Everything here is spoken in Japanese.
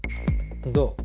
どう？